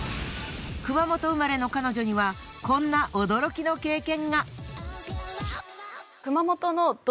熊本生まれの彼女にはこんな驚きの経験が！